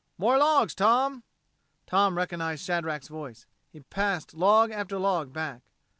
"More logs, Tom." Tom recognized Shadrack's voice. He passed log after log back.